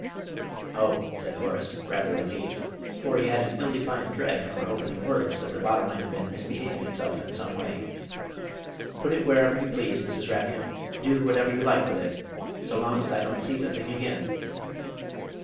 "Oh," said Horace, rather relieved, for he had an ill defined dread from her opening words that the bottle might have been misbehaving itself in some way. "Put it wherever you please, Mrs. Rapkin; do whatever you like with it so long as I don't see the thing again!"